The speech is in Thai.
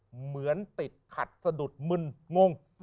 เหมือนติดขัดสะดุดมึนงง